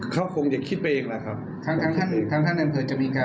เขาคงจะคิดไปเองแหละครับทางท่านอำเภอจะมีการ